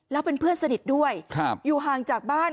แล้วเป็นเพื่อนสนิทด้วยอยู่ห่างจากบ้าน